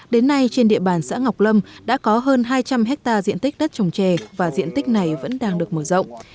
đến nay trên địa bàn xã ngọc lâm đã có hơn hai trăm linh hectare diện tích đất trồng trè và diện tích này vẫn đang được mở rộng